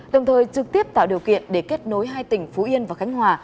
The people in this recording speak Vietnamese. đồng thời trực tiếp tạo điều kiện để kết nối hai tỉnh phú yên và khánh hòa